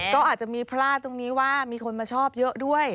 ก็อาจจะมีพลาดตรงนี้ว่ามีคนมาชอบเยอะด้วย